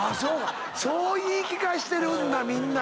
そう言い聞かせてるんだみんな。